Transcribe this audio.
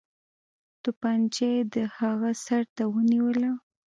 توپنچه یې د هغه سر ته ونیوله.